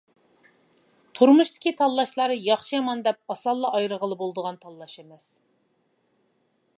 تۇرمۇشتىكى تاللاشلار ياخشى-يامان دەپ ئاسانلا ئايرىغىلى بولىدىغان تاللاش ئەمەس.